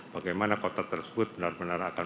bagaimana kota tersebut benar benar akan